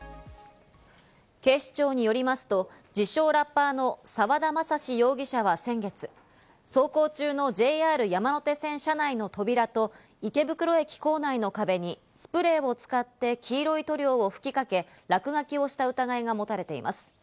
警視庁によりますと、自称ラッパーの沢田政嗣容疑者は先月、走行中のＪＲ山手線車内の扉と池袋駅構内の壁にスプレーを使って黄色い塗料を吹き掛け、落書きをした疑いがもたれています。